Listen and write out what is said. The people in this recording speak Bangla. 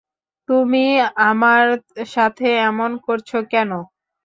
তুমি আমার সাথে এমন করছো কেন?